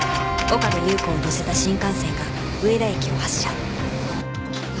岡部祐子を乗せた新幹線が上田駅を発車